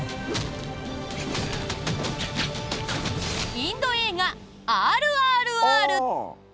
インド映画「ＲＲＲ」。